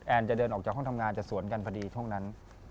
จะเดินออกจากห้องทำงานจะสวนกันพอดีช่วงนั้น